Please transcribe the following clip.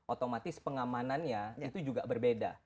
otomatis pengamanannya itu juga berbeda